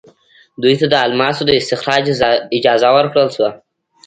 دوی ته د الماسو د استخراج اجازه ورکړل شوه.